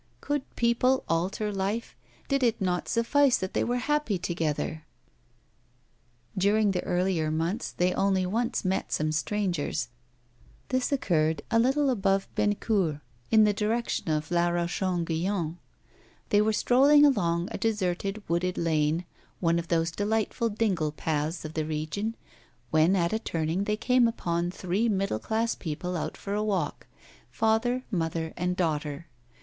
'Could people alter life? Did it not suffice that they were happy together?' During the earlier months they only once met some strangers. This occurred a little above Bennecourt, in the direction of La Roche Guyon. They were strolling along a deserted, wooded lane, one of those delightful dingle paths of the region, when, at a turning, they came upon three middle class people out for a walk father, mother, and daughter.